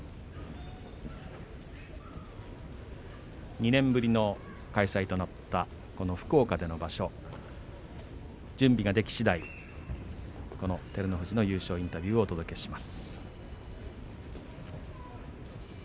２年ぶりの開催となったこの福岡での場所準備ができしだい照ノ富士の優勝インタビューをお届けします。